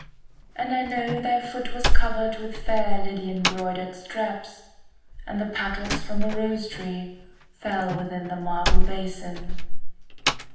And I know thy foot was covered 5 With fair Lydian broidered straps; And the petals from a rose tree Fell within the marble basin.